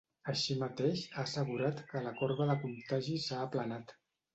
Així mateix, ha assegurat que la corba de contagis s’ha aplanat.